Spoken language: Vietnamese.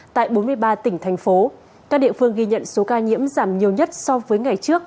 tại bốn mươi ba tỉnh thành phố các địa phương ghi nhận số ca nhiễm giảm nhiều nhất so với ngày trước